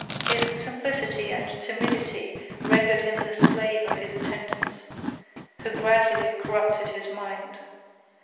His simplicity and timidity rendered him the slave of his attendants, who gradually corrupted his mind.